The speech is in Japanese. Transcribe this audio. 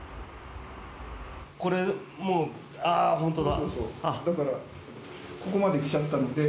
これ、もう、本当だ。